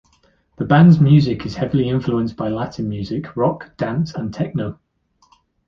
The band's music is heavily influenced by Latin music, rock, dance, and techno.